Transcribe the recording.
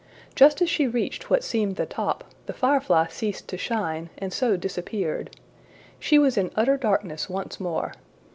Just as she reached what seemed the top, the firefly ceased to shine, and so disappeared. She was in utter darkness once more.